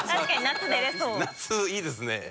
夏いいですね。